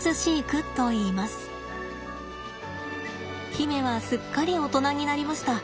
媛はすっかり大人になりました。